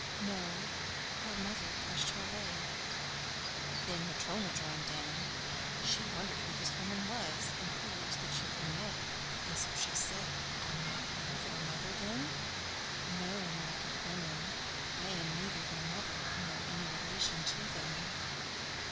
"No, her mother crushed her leg." Then Matryona joined in. She wondered who this woman was, and whose the children were, so she said: "Are not you their mother then?" "No, my good woman; I am neither their mother nor any relation to them.